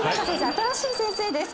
新しい先生です。